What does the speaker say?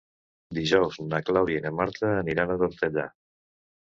Dijous na Clàudia i na Marta aniran a Tortellà.